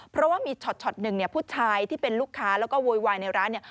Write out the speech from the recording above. เพราะว่ามีชอดหนึ่งผู้ชายที่เป็นลูกค้าแล้วก็โวยวายในร้าน